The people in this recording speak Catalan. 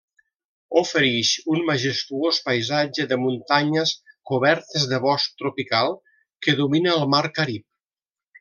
Oferix un majestuós paisatge de muntanyes cobertes de bosc tropical que domina el Mar Carib.